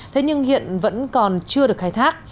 thế nhưng hiện vẫn còn chưa được khai thác